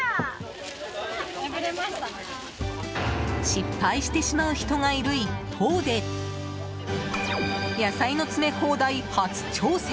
失敗してしまう人がいる一方で野菜の詰め放題、初挑戦！